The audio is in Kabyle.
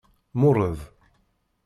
Mured.